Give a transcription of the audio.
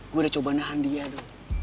gue udah coba nahan dia tuh